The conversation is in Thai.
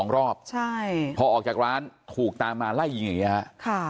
รอบใช่พอออกจากร้านถูกตามมาไล่ยิงอย่างนี้ฮะ